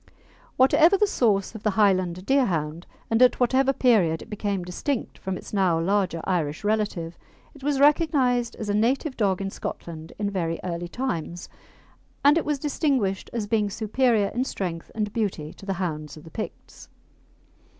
Whatever the source of the Highland Deerhound, and at whatever period it became distinct from its now larger Irish relative, it was recognised as a native dog in Scotland in very early times, and it was distinguished as being superior in strength and beauty to the hounds of the Picts.